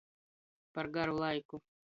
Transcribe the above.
Par garu laiku.